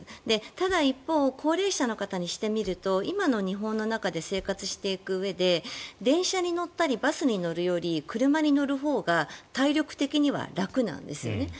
ただ一方高齢者の方にしてみると今の日本の中で生活していくうえで電車に乗ったりバスに乗るより車に乗るほうが体力的には楽なんですよね。